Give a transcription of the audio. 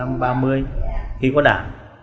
năm ba mươi khi có đảng